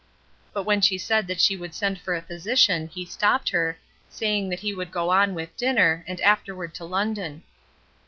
But when she said that she would send for a physician he stopped her, saying that he would go on with dinner, and afterward to London.